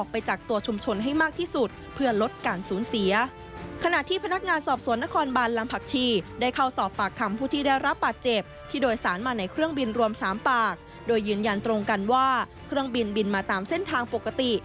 ขณะโดยยืนยันตรงกันว่าเครื่องบินบินมาตามเส้นทางปกติ